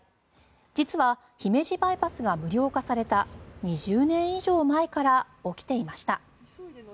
実は姫路バイパスが無料化された２０年以上前から起きていました。